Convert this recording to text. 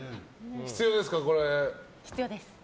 必要ですか？